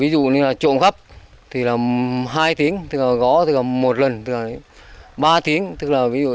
đấy họ vẫn có